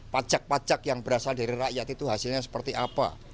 pajak pajak yang berasal dari rakyat itu hasilnya seperti apa